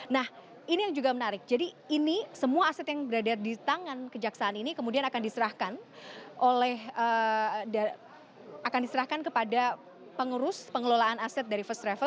nah ini yang juga menarik jadi ini semua aset yang berada di tangan kejaksaan ini kemudian akan diserahkan oleh akan diserahkan kepada pengurus pengelolaan aset dari first travel